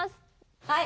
はい。